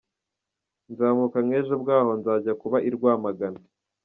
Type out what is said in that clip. Nzamuka nk’ejo bwaho nzajya kuba i Rwamagana.